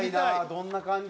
どんな感じ？